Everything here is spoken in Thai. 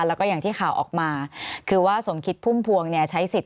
แล้วก็อย่างที่ข่าวออกมาคือว่าสมคิดพุ่มพวงเนี่ยใช้สิทธิ